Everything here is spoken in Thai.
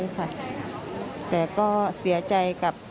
ท่านผู้ชมครับ